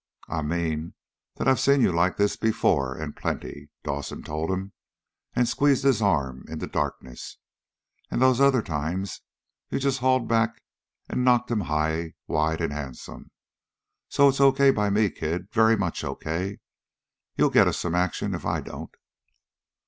"I mean that I've seen you like this before, and plenty!" Dawson told him, and squeezed his arm in the darkness. "And those other times you just hauled back and knocked 'em high, wide and handsome. So it's okay by me, kid. Very much okay. You'll get us some action, if I don't."